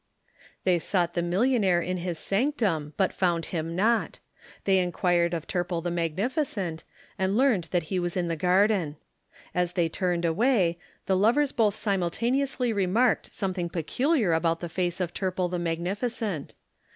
They sought the millionaire in his sanctum but found him not. They inquired of Turple the magnificent, and learned that he was in the garden. As they turned away, the lovers both simultaneously remarked something peculiar about the face of Turple the magnificent.